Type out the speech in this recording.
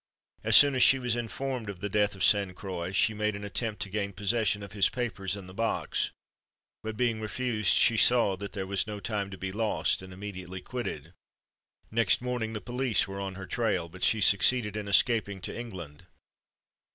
As soon as she was informed of the death of Sainte Croix, she made an attempt to gain possession of his papers and the box; but, being refused, she saw that there was no time to be lost, and immediately quitted. Next morning the police were on her trail; but she succeeded in escaping to England.